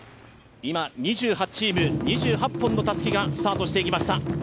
今、２８チーム、２８本のたすきがスタートしていきました。